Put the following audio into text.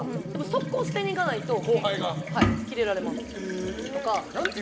即行、捨てに行かないとキレられますとか。